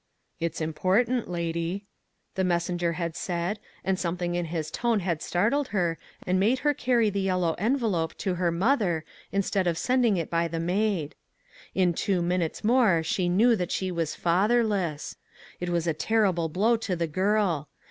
" It's important, lady," the messenger had said, and something in his tone had startled her and made her carry the yellow envelope to her mother instead of sending it by the maid. In two minutes more she knew that she was fatherless! It was a terrible blow to the girl.